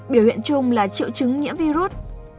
biểu hiện chung là triệu chứng nhiễm virus